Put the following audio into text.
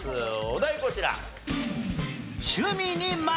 お題こちら。